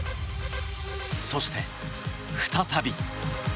そして再び。